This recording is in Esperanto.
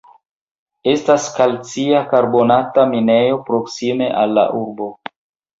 Estas kalcia karbonata minejo proksime al la urbo.